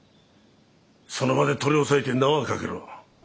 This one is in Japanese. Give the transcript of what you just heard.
その場で取り押さえて縄ぁかけろ。